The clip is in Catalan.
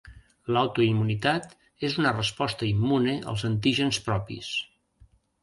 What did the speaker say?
L'autoimmunitat és una resposta immune als antígens propis.